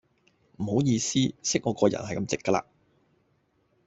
唔好意思,識我個人係咁直架啦.